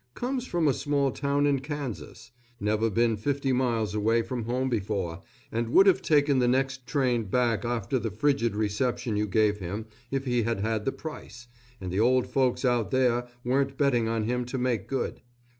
Comes from a small town in Kansas. Never been fifty miles away from home before, and would have taken the next train back after the frigid reception you gave him if he had had the price, and the old folks out there weren't betting on him to make good.